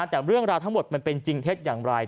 แต่เรื่องราวทั้งหมดมันเป็นจริงเท็จอย่างไร